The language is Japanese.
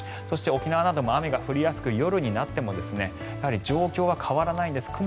そして沖縄なども雨が降りやすく夜になっても状況は変わらないんです。